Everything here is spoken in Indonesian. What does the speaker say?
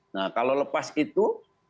nah kalau lepas itu